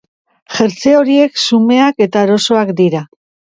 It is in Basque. Jertse horiek xumeak eta erosoak dira.